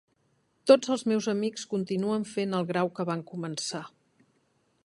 Tots els meus amics continuen fent el grau que van començar.